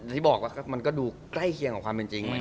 ที่บอกว่ามันก็ดูใกล้เคียงกับความเป็นจริง